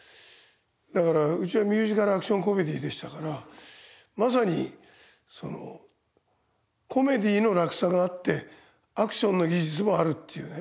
だからうちはミュージカル・アクション・コメディーでしたからまさにそのコメディーの落差があってアクションの技術もあるっていうね